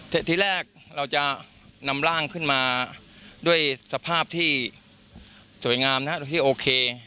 ที่แรกเราจะนำร่างขึ้นมาด้วยสภาพที่สวยงามโดยที่โอเค